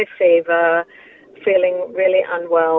dan kita merasa sangat tidak baik